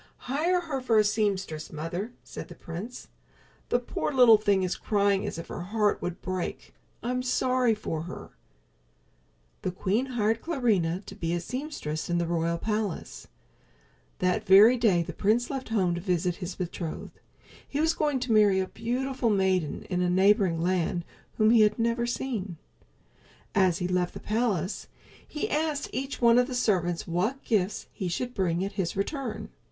"Hire her for a seamstress, mother," said the prince. "The poor little thing is crying as if her heart would break. I'm sorry for her." The queen hired Clarinha to be a seamstress in the royal palace. That very day the prince left home to visit his betrothed. He was going to marry a beautiful maiden in a neighboring land, whom he had never seen. As he left the palace he asked each one of the servants what gifts he should bring at his return.